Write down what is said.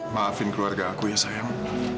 maafin keluarga aku ya sayang